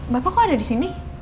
bapak kok ada disini